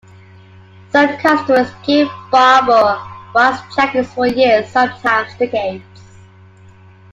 Some customers keep Barbour waxed jackets for years, sometimes decades.